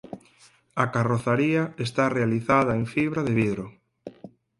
A carrozaría está realizada en fibra de vidro.